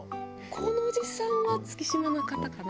このおじさんは月島の方かな？